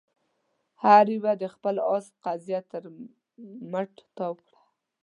هر يوه د خپل آس قيضه تر مټ تاو کړه.